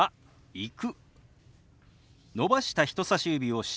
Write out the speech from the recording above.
「行く」。